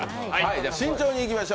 慎重にいきましょう。